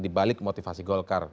yang memiliki motivasi golkar